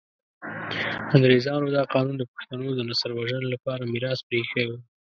انګریزانو دا قانون د پښتنو د نسل وژنې لپاره میراث پرې ایښی وو.